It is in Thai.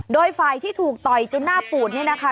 โดยฝ่ายที่ถูกต่อยจนหน้าปูดนี่นะคะ